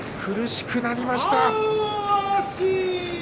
苦しくなりました。